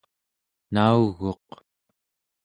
nauguq